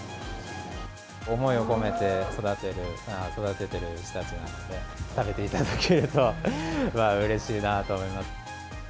思いを込めて育てている牛たちなので、食べていただけると、うれしいなと思います。